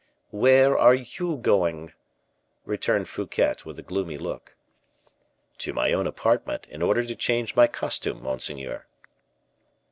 "Where are you going?" returned Fouquet, with a gloomy look. "To my own apartment, in order to change my costume, monseigneur."